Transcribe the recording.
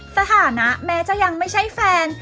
สถานะแม้จะยังไม่ใช่แฟน